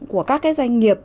của các cái doanh nghiệp